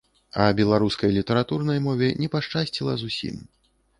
А беларускай літаратурнай мове не пашчасціла зусім.